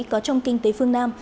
có trong kinh tế phương nam